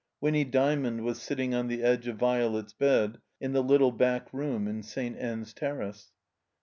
Winny Dymond was sitting on the edge of Violet's bed in the little back room in St. Ann's Terrace.